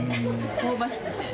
香ばしくて。